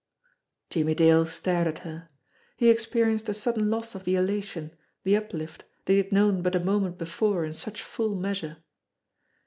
Jimmie Dale stared at her. He experienced a sudden loss of the elation, the uplift, that he had known but a moment before in such full measure.